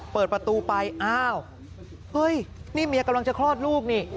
เปิดประตูไปอ้าวเฮ้ยนี่เมียกำลังจะคลอดลูกนี่